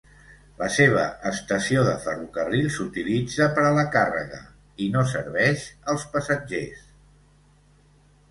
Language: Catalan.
La seva estació de ferrocarril s'utilitza per a la càrrega i no serveix als passatgers.